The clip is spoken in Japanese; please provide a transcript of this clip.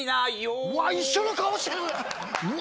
うわ、一緒の顔してる！